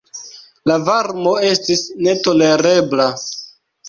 La varmo estis netolerebla.